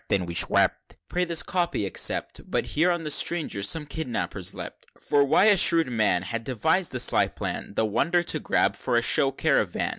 XXXVIII. "Wept wepton wish wept, Pray this Copy accept" But here on the Stranger some Kidnappers leapt: For why a shrewd man Had devis'd a sly plan The Wonder to grab for a show Caravan.